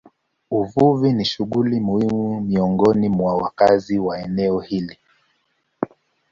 Uvuvi ni shughuli muhimu miongoni mwa wakazi wa eneo hili.